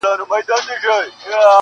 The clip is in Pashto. بوډا خپل نکل ته ژاړي نسته غوږ د اورېدلو-